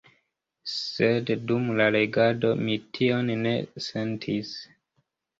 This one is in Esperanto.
Sed dum la legado mi tion ne sentis.